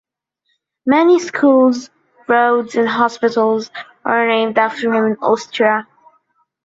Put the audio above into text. Many schools, roads and hospitals are named after him in Austria.